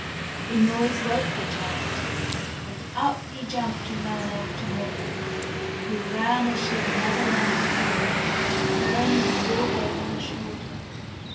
The noise woke the giant, and up he jumped and ran after Molly, who ran as she had never run before, carrying the sword over her shoulder.